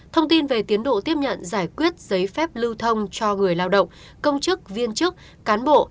thông tin về tiến độ tiếp nhận giải quyết giấy phép lưu thông cho người lao động công chức viên chức cán bộ